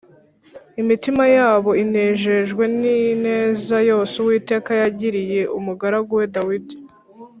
imitima yabo inejejwe n’ineza yose Uwiteka yagiriye umugaragu we Dawidi